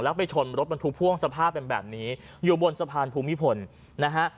แล้วไปชนรถบรรทุกพ่วงสภาพเป็นแบบนี้อยู่บนสะพานภูมิพลนะฮะ